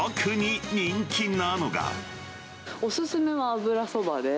お勧めは油そばで。